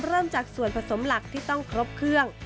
เริ่มจากส่วนผสมหลักที่ต้องครบเครื่อง